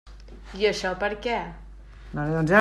I això per què?